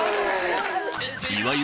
岩井